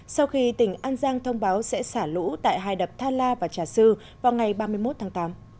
sau khi tỉnh an giang thông báo sẽ xả lũ tại hai đập than la và trà sư vào ngày ba mươi một tháng tám